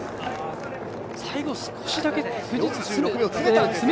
最後、少しだけ富士通、詰めたんですね。